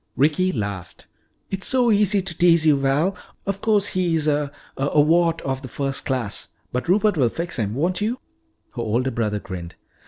Ricky laughed. "It's so easy to tease you, Val. Of course he is a a wart of the first class. But Rupert will fix him won't you?" Her older brother grinned.